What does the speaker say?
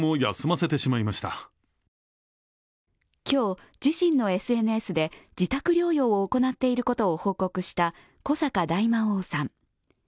今日、自身のＳＮＳで自宅療養を行っていることを報告した古坂大魔王さん。